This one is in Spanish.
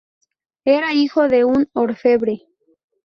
Era hijo de un orfebre.